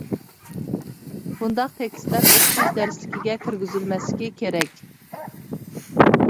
بۇنداق تېكىستلەر ئوقۇتۇش دەرسلىكىگە كىرگۈزۈلمەسلىكى كېرەك.